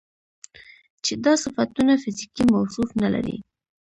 چې دا صفتونه فزيکي موصوف نه لري